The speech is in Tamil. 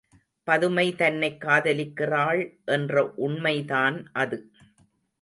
பதுமை தன்னைக் காதலிக்கிறாள் என்ற உண்மைதான் அது.